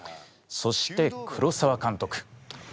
そして黒澤監督。